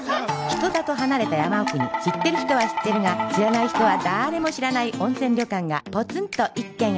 人里離れた山奥に知ってる人は知ってるが知らない人はだーれも知らない温泉旅館がポツンと一軒ありました